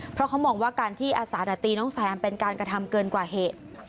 เพราะเขามองว่าการที่อาสานาตีน้องแซมเป็นการกระทำเกินกว่าเหตุ